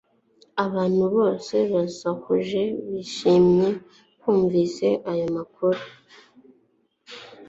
abantu bose basakuje bishimye bumvise ayo makuru